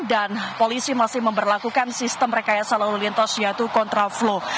dan polisi masih memperlakukan sistem rekayasa lalu lintas yaitu kontra flow